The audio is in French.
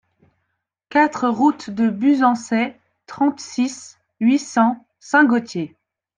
quatre route de Buzançais, trente-six, huit cents, Saint-Gaultier